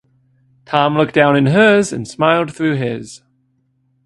Tom looked down in hers, and smiled through his.